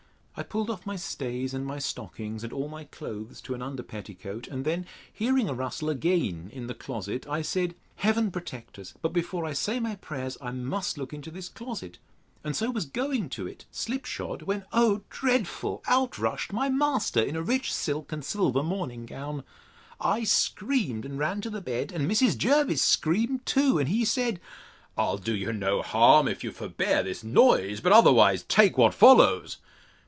I pulled off my stays, and my stockings, and all my clothes to an under petticoat; and then hearing a rustling again in the closet, I said, Heaven protect us! but before I say my prayers, I must look into this closet. And so was going to it slip shod, when, O dreadful! out rushed my master in a rich silk and silver morning gown. I screamed, and ran to the bed, and Mrs. Jervis screamed too; and he said, I'll do you no harm, if you forbear this noise; but otherwise take what follows.